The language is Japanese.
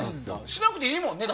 しなくていいもんね。